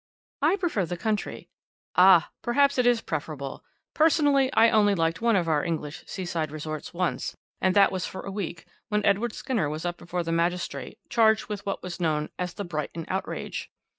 "I prefer the country." "Ah! perhaps it is preferable. Personally I only liked one of our English seaside resorts once, and that was for a week, when Edward Skinner was up before the magistrate, charged with what was known as the 'Brighton Outrage.'